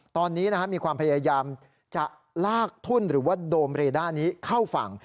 ตอนนี้มีความพยายามจะลากทุ่นหรือว่าโดมเรด้านี้เข้าฝั่ง